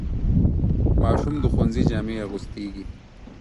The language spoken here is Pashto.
ماشوم د ښوونځي جامې اغوستېږي.